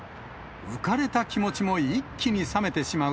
浮かれた気持ちも一気に冷めてしまう